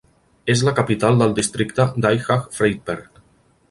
És la capital del districte d'Aichach-Friedberg.